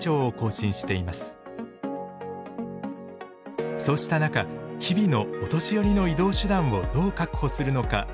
そうした中日々のお年寄りの移動手段をどう確保するのか課題となっています。